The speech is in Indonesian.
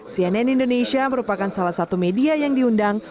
cnn indonesia merupakan salah satu media yang diundang